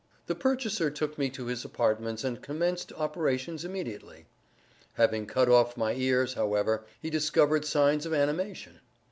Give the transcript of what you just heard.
The purchaser took me to his apartments and commenced operations immediately. Having cut off my ears, however, he discovered signs of animation.